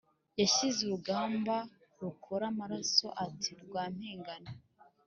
yashinze urugamba rukora amaraso ati rwampingane